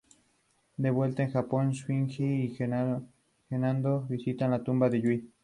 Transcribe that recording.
Los juveniles son mayormente blancuzcos o amarillentos con el disco facial negro.